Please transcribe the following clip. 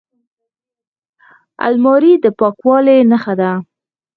الماري د پاکوالي نښه ده